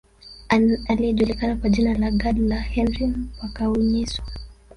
Aliyejulikana kwa jina la Gadla Henry Mphakanyiswa